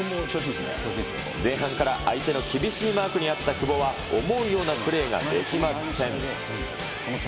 前半から相手の厳しいマークにあった久保は思うようなプレーができません。